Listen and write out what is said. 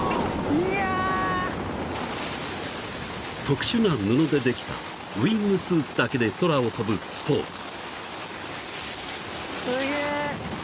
［特殊な布でできたウイングスーツだけで空を飛ぶスポーツ］